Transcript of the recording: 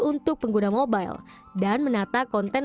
untuk pengguna mobile dan menata konten